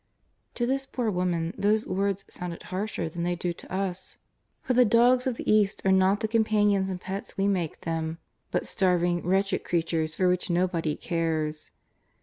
To this poor woman these words sounded harsher than they do to us, for the dogs of the East are not the companions and pets we make them, but starving, wretched creatures for which nobody cares.